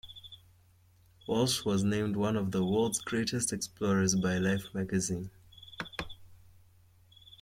Walsh was named one of the world's great explorers by "Life" magazine.